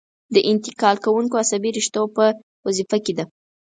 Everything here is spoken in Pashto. د انتقال کوونکو عصبي رشتو په وظیفه کې ده.